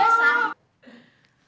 apa kalian senang tinggal di rumah